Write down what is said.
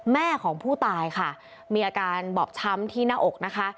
แม่ของผู้ตายค่ะมีอาการบอบช้ำที่หน้าอกนะคะ